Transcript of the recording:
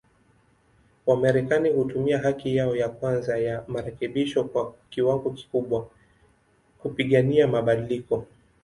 Wamarekani hutumia haki yao ya kwanza ya marekebisho kwa kiwango kikubwa, kupigania mabadiliko.